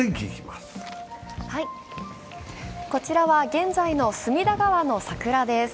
こちらは現在の隅田川の桜です。